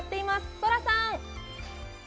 ソラさん！